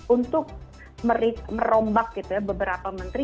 untuk merombak gitu ya beberapa menteri